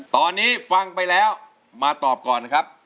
ตอนนี้ฟังไปแล้วมาตอบก่อนนะครับ